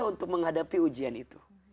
untuk menghadapi ujian itu